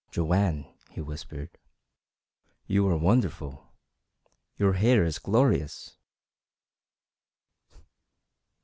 "Joanne," he whispered, "you are wonderful. Your hair is glorious!"